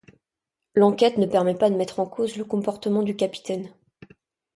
L'enquête ne permet pas de mettre en cause le comportement du capitaine.